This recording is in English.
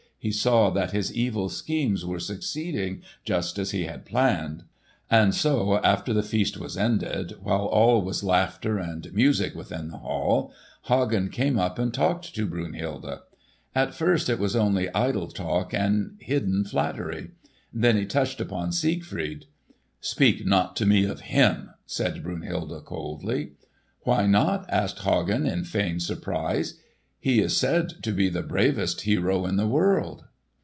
He saw that his evil schemes were succeeding just as he had planned. And so, after the feast was ended, while all was laughter and music within the hall, Hagen came up and talked to Brunhilde. At first it was only idle talk and hidden flattery; then he touched upon Siegfried. "Speak not to me of him," said Brunhilde coldly. "Why not?" asked Hagen in feigned surprise. "He is said to be the bravest hero in the world."